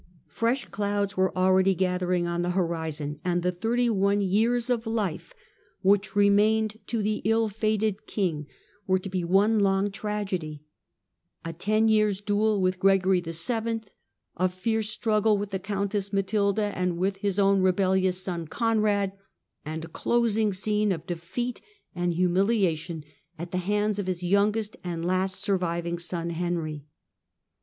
Fresh clouds were already gathering on the horizon, and the thirty one years of life which remained to the ill fated king were to be one long tragedy :— a ten years' duel with Gregory VII., a fierce struggle with the Countess Matilda and with his own rebellious son Conrad, and a closing scene of defeat and humiliation at the hands of his youngest and last surviving son Henry.